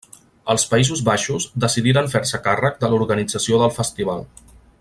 Els Països Baixos decidiren fer-se càrrec de l'organització del festival.